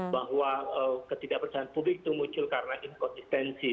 bahwa ketidakpacahan publik itu muncul karena inconsistency